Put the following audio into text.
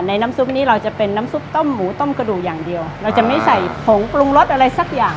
น้ำซุปนี้เราจะเป็นน้ำซุปต้มหมูต้มกระดูกอย่างเดียวเราจะไม่ใส่ผงปรุงรสอะไรสักอย่าง